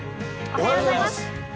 おはようございます。